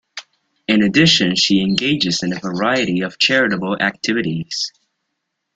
In addition she engages in a variety of charitable activities.